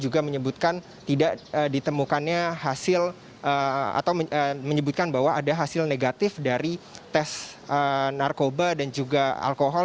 juga menyebutkan tidak ditemukannya hasil atau menyebutkan bahwa ada hasil negatif dari tes narkoba dan juga alkohol